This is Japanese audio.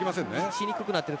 しにくくなってる。